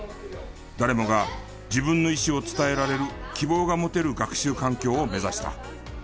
誰もが自分の意思を伝えられる希望が持てる学習環境を目指した。